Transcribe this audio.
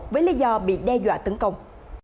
với lý do bị đe dọa tấn công